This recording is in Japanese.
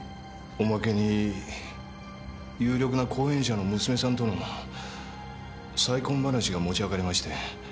おまけに有力な後援者の娘さんとの再婚話が持ち上がりまして。